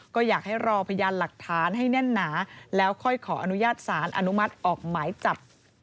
ก็อยากให้รอพยานหลักฐานให้แน่นหนาแล้วค่อยขออนุญาตสารอนุมัติออกหมายจับ